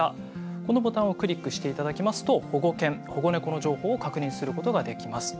このボタンをクリックしていただきますと保護犬保護猫の情報を確認することができます。